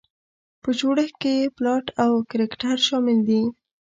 په جوړښت کې یې پلاټ او کرکټر شامل دي.